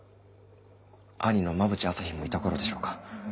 兄の馬淵朝陽もいた頃でしょうか？